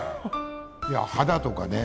いや肌とかね